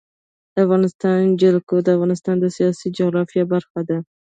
د افغانستان جلکو د افغانستان د سیاسي جغرافیه برخه ده.